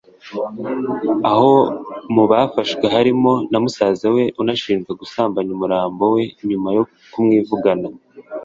aho mu bafashwe harimo na musaza we unashinjwa gusambanya umurambo we nyuma yo kumwivugana